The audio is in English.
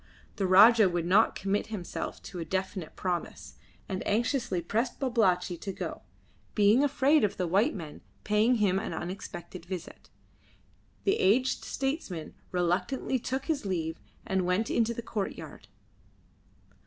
The Rajah would not commit himself to a definite promise, and anxiously pressed Babalatchi to go, being afraid of the white men paying him an unexpected visit. The aged statesman reluctantly took his leave and went into the courtyard.